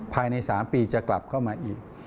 ภายใน๓ปีจะกลับเข้ามาอีก